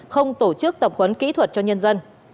không tổ chức tập huấn kỹ thuật cho nhân dân